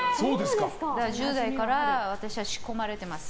１０代から私は仕込まれてます。